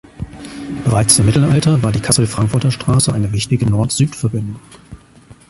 Bereits im Mittelalter war die „Cassel-Frankfurter-Straße“ eine wichtige Nord-Süd-Verbindung.